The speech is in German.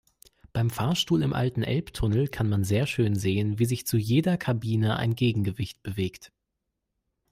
Beim Fahrstuhl im alten Elbtunnel kann man sehr schön sehen, wie sich zu jeder Kabine ein Gegengewicht bewegt.